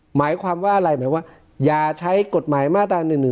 หมายความว่าอะไรหมายว่าอย่าใช้กฎหมายมาตรา๑๑๒